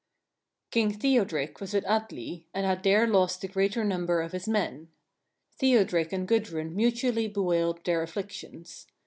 King Theodric was with Atli, and had there lost the greater number of his men. Theodric and Gudrun mutually bewailed their afflictions.